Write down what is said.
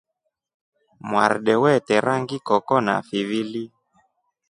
Mwarde wete rangi Koko na fivili.